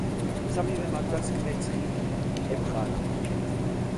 სამივე მათგანს კვერთხი ეპყრა ხელთ.